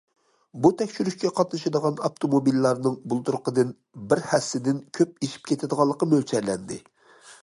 بۇ تەكشۈرۈشكە قاتنىشىدىغان ئاپتوموبىللارنىڭ بۇلتۇرقىدىن بىر ھەسسىدىن كۆپ ئېشىپ كېتىدىغانلىقى مۆلچەرلەندى.